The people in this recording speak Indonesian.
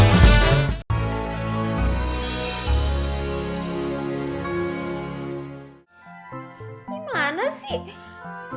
ini mana sih